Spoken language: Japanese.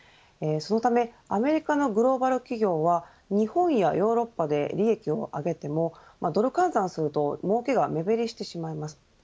そのためアメリカのグローバル企業は日本やヨーロッパで利益を上げてもドル換算すると儲けが目減りしてしまいます。